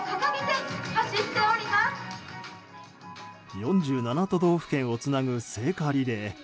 ４７都道府県をつなぐ聖火リレー。